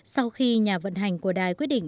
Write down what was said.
sau khi nhà vận hành của đài quyết định